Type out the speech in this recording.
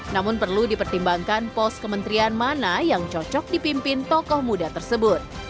namun perlu dipertimbangkan pos kementerian mana yang cocok dipimpin tokoh muda tersebut